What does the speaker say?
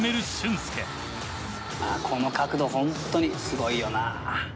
この角度ホントにすごいよな。